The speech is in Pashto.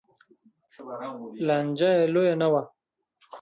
لانجه یې لویه نه وه